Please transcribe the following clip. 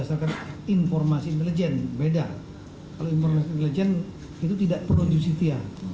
kalau informasi intelijen itu tidak produsitia